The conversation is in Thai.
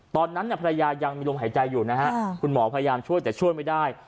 ตอนนั้นภรรยายังมีลมหายใจอยู่นะฮะคุณหมอพยายามช่วยแต่ช่วยไม่ได้